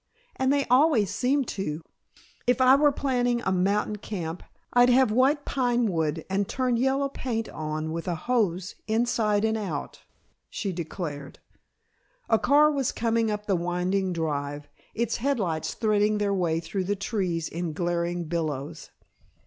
And they always seem to. If I were planning a mountain camp I'd have white pine wood and turn yellow paint on with a hose, inside and out," she declared. A car was coming up the winding drive, its headlights threading their way through the trees in glaring billows.